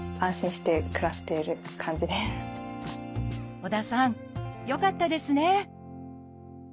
織田さんよかったですね！